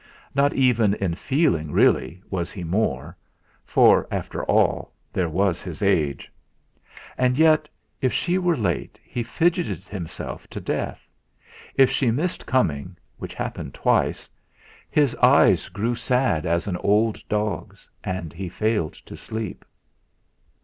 Not even in feeling, really, was he more for, after all, there was his age. And yet, if she were late he fidgeted himself to death. If she missed coming, which happened twice, his eyes grew sad as an old dog's, and he failed to sleep.